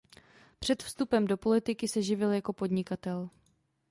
Před vstupem do politiky se živil jako podnikatel.